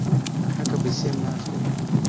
ناحقه پیسې مه اخلئ.